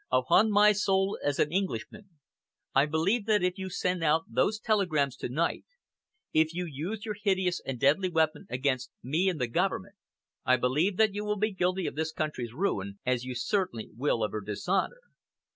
Upon my soul as an Englishman, I believe that if you send out those telegrams to night, if you use your hideous and deadly weapon against me and the Government, I believe that you will be guilty of this country's ruin, as you certainly will of her dishonour.